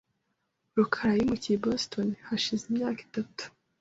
rukara yimukiye i Boston hashize imyaka itatu .